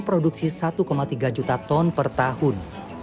produksi satu tiga juta ton per tahun